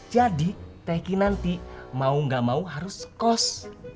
jadi teh kinanti mau gak mau harus kos